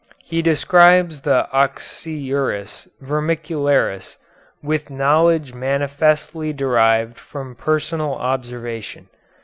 He describes the oxyuris vermicularis with knowledge manifestly derived from personal observation.